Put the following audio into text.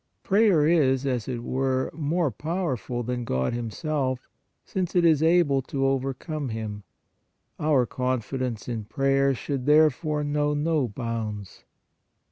Prayer is, as it were, more powerful than God Himself, since it is able to over come Him. Our confidence in prayer should, there fore, know no bounds.